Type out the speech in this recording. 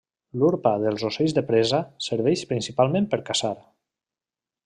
L'urpa dels ocells de presa serveix principalment per caçar.